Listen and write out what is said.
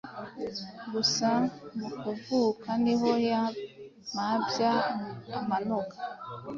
Gusa mu kuvuka niho ya mabya amanuka